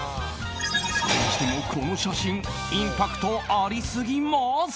それにしてもこの写真インパクトありすぎます。